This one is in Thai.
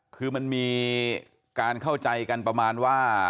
คือมันมีการเข้าใจกันประมาณว่า